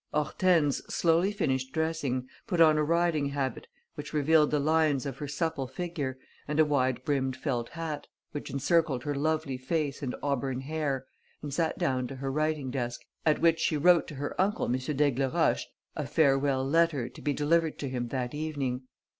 Hortense slowly finished dressing, put on a riding habit, which revealed the lines of her supple figure, and a wide brimmed felt hat, which encircled her lovely face and auburn hair, and sat down to her writing desk, at which she wrote to her uncle, M. d'Aigleroche, a farewell letter to be delivered to him that evening.